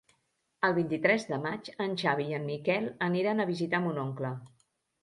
El vint-i-tres de maig en Xavi i en Miquel aniran a visitar mon oncle.